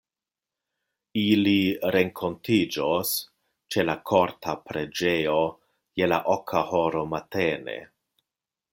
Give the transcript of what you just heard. Ili renkontiĝos ĉe la Korta Preĝejo je la oka horo matene.